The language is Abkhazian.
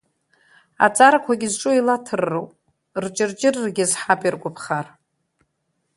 Аҵарақәагь зҿу еилаҭырроуп, рҷырҷыррагь иазҳап иргәаԥхар.